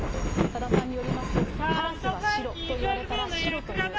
多田さんによりますと、カラスは白と言われたら、白と言う。